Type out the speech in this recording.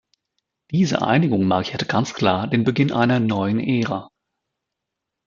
Diese Einigung markiert ganz klar den Beginn einer neuen Ära.